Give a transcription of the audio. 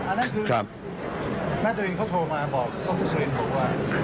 อันนั้นคือแม่ตะวินเขาโทรมาบอกต้องทุกสุรินต์บอกว่า